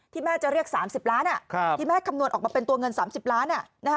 แม่จะเรียก๓๐ล้านที่แม่คำนวณออกมาเป็นตัวเงิน๓๐ล้าน